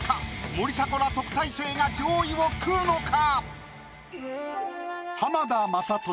森迫ら特待生が上位を食うのか？